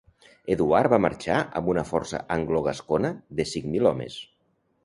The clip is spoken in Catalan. Eduard va marxar amb una força anglogascona de cinc mil homes.